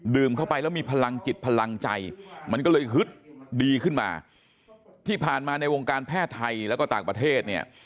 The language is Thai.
เข้าไปแล้วมีพลังจิตพลังใจมันก็เลยฮึดดีขึ้นมาที่ผ่านมาในวงการแพทย์ไทยแล้วก็ต่างประเทศเนี่ย